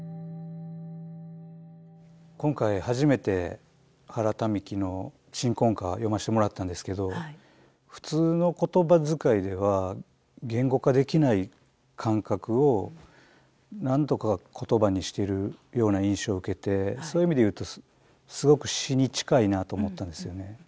今回初めて原民喜の「鎮魂歌」読ませてもらったんですけど普通の言葉遣いでは言語化できない感覚をなんとか言葉にしてるような印象を受けてそういう意味で言うとすごく詩に近いなと思ったんですよね。